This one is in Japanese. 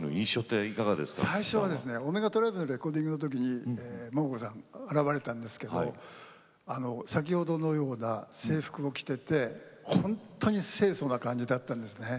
オメガトライブのレコーディングの時に桃子さんが現れたんですけれども先ほどのような制服を着ていて本当に清そな感じだったんです。